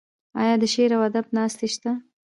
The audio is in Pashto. آیا د شعر او ادب ناستې شته؟